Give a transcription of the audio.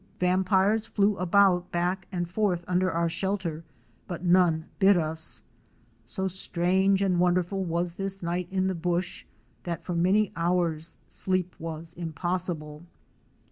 Vampires flew about back and forth under our shelter but none bit us. So strange and wonderful was this night in the "bush"' that for many hours sleep was impossible.